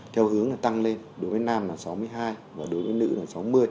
theo hướng tăng lên đối với nam là sáu mươi hai đối với nữ là sáu mươi